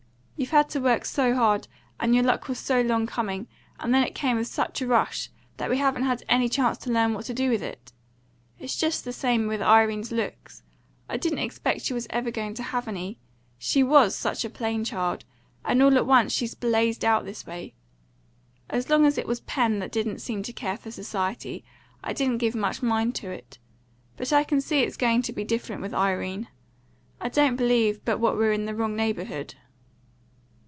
You've had to work so hard, and your luck was so long coming, and then it came with such a rush, that we haven't had any chance to learn what to do with it. It's just the same with Irene's looks; I didn't expect she was ever going to have any, she WAS such a plain child, and, all at once, she's blazed out this way. As long as it was Pen that didn't seem to care for society, I didn't give much mind to it. But I can see it's going to be different with Irene. I don't believe but what we're in the wrong neighbourhood."